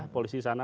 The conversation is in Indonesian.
polisi di sana